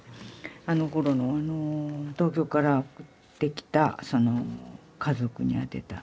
あのころの東京から送ってきた家族に宛てた。